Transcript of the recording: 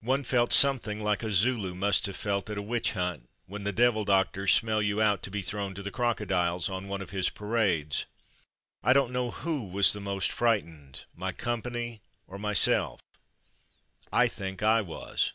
One felt something like a Zulu must have felt at a witch hunt, when the devil doctors "smell you out'' to be thrown to the crocodiles — on one of his parades. I don't know who was the most frightened, my company or myself. (I think I was.)